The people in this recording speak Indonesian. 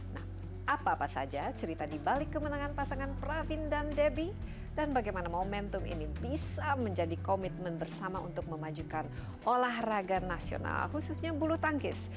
nah apa apa saja cerita di balik kemenangan pasangan pravin dan debbie dan bagaimana momentum ini bisa menjadi komitmen bersama untuk memajukan olahraga nasional khususnya bulu tangkis